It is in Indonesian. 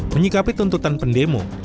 menyikapi tuntutan pendemo